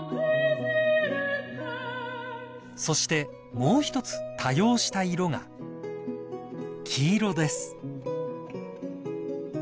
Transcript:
［そしてもう１つ多用した色が黄色です］